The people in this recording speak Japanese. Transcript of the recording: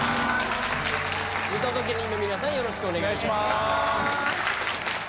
見届け人の皆さんよろしくお願いいたします。